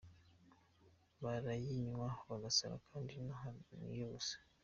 Barayinywa bagasara kandi inaha niyo gusa.